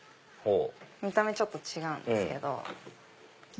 見た目ちょっと違うんですけど。